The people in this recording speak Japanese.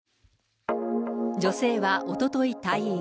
女性はおととい退院。